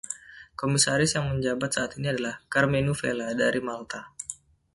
Komisaris yang menjabat saat ini adalah Karmenu Vella dari Malta.